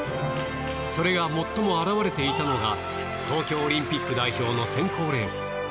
それが最も現れていたのが東京オリンピック代表の選考レース。